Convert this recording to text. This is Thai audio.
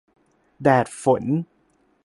- แดด ฝน